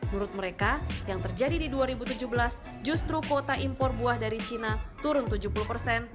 menurut mereka yang terjadi di dua ribu tujuh belas justru kuota impor buah dari cina turun tujuh puluh persen